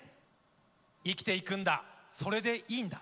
生きていくんだそれでいいんだ。